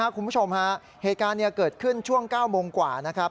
คุณผู้ชมฮะเหตุการณ์เกิดขึ้นช่วง๙โมงกว่านะครับ